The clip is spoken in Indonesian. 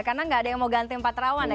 karena nggak ada yang mau ganti pak terawan ya